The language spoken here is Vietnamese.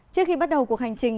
trước khi bắt đầu cuộc hành trình